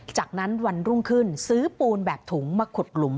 จากนั้นวันรุ่งขึ้นซื้อปูนแบบถุงมาขุดหลุม